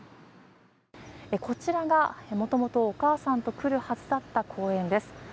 こちらが元々お母さんと来るはずだった公園です。